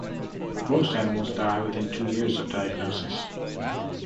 Most animals die within two years of diagnosis.